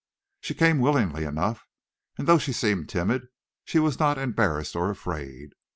She came willingly enough, and though she seemed timid, she was not embarrassed or afraid.